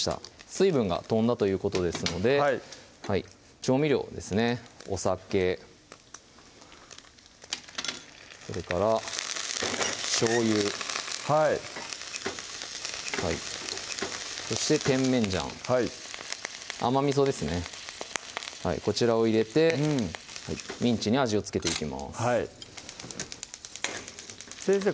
水分が飛んだということですので調味料ですねお酒それからしょうゆはいそして甜麺醤甘みそですねこちらを入れてミンチに味を付けていきます先生